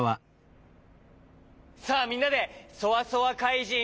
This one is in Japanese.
さあみんなでそわそわかいじん